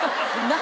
何？